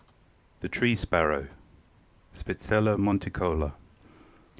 THE TREE SPARROW. (_Spizella monticola.